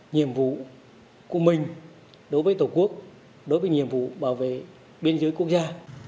nhiệm vụ của mình đối với tổ quốc đối với nhiệm vụ bảo vệ biên giới quốc gia